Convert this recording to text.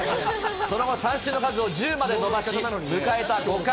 その後、三振の数を１０まで伸ばし、迎えた５回。